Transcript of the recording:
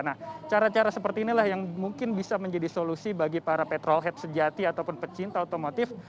nah cara cara seperti inilah yang mungkin bisa menjadi solusi bagi para petrol head sejati ataupun pecinta otomotif